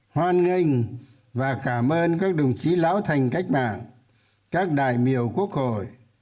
hoan nghênh và cảm ơn các đồng chí lão thành cách mạng các đại biểu quốc hội